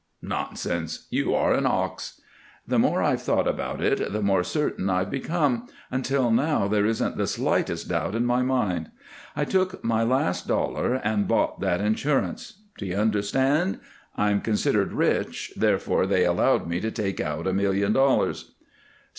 "Nonsense! You are an ox." "The more I've thought about it the more certain I've become, until now there isn't the slightest doubt in my mind. I took my last dollar and bought that insurance. Do you understand? I'm considered rich, therefore they allowed me to take out a million dollars."